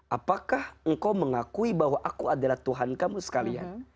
apakah engkau mengakui bahwa aku adalah tuhan kamu sekalian